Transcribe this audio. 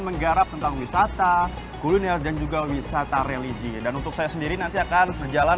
menggarap tentang wisata kuliner dan juga wisata religi dan untuk saya sendiri nanti akan berjalan